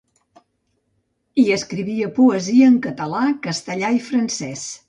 I escrivia poesia en català, castellà i francès.